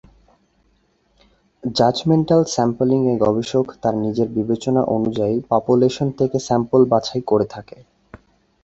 Judgmental sampling এ গবেষক তার নিজের বিবেচনা অনুযায়ী পপুলেশন থেকে স্যাম্পল বাছাই করে থাকে।